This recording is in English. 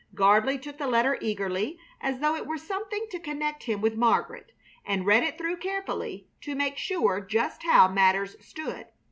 Gardley took the letter eagerly, as though it were something to connect him with Margaret, and read it through carefully to make sure just how matters stood.